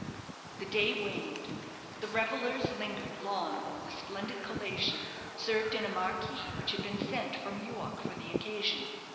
The day waned. The revellers lingered long over the splendid collation, served in a marquee which had been sent from York for the occasion.